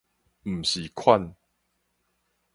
毋是款